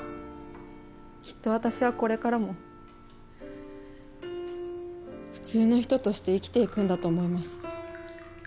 きっと私はこれからも普通の人として生きていくんだと思います。